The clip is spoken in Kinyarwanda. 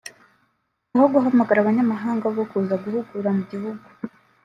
aho guhamagara abanyamahanga bo kuza guhugura mu gihugu